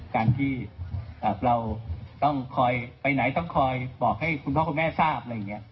การที่เราต้องคอยไปไหนต้องคอยบอกให้คุณพ่อคุณแม่ทราบ